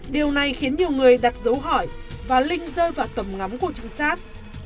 điều này khiến nhiều người đặt dấu hỏi và linh rơi vào tầm ngắm của trinh sát